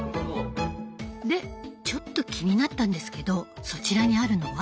でちょっと気になったんですけどそちらにあるのは？